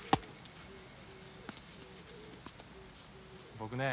僕ね